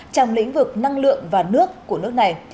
trong lĩnh vực năng lượng và nước của nước này